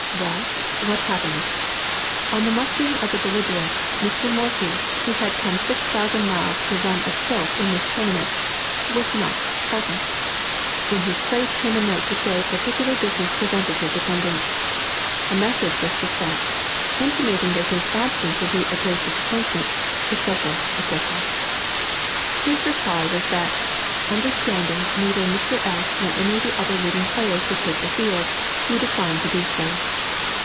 Well, what happened? On the mustering of the belligerents, Mr. Morphy, who had come six thousand miles to run a tilt in this tournament, was not present. In his place came a note to say particular business prevented his attendance. A message was despatched, intimating that his absence would be a great disappointment, &c., &c. His reply was, that, understanding neither Mr. S. nor any other of the leading players would take the field, he declined to do so.